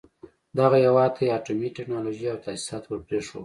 دغه هېواد ته يې اټومي ټکنالوژۍ او تاسيسات ور پرېښول.